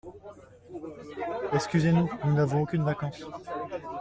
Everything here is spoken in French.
Excusez-nous, nous n’avons aucunes vacances.